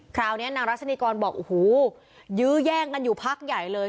คราวนี้นางรัชนีกรบอกโอ้โหยื้อแย่งกันอยู่พักใหญ่เลย